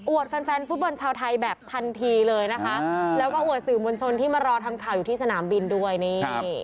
แฟนแฟนฟุตบอลชาวไทยแบบทันทีเลยนะคะแล้วก็อวดสื่อมวลชนที่มารอทำข่าวอยู่ที่สนามบินด้วยนี่